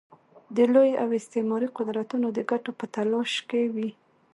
د لوی او استعماري قدرتونه د ګټو په تلاښ کې وي.